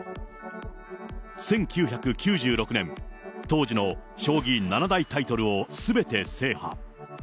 １９９６年、当時の将棋七大タイトルをすべて制覇。